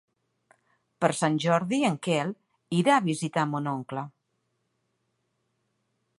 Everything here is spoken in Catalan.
Per Sant Jordi en Quel irà a visitar mon oncle.